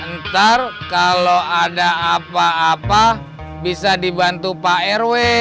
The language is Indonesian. ntar kalau ada apa apa bisa dibantu pak rw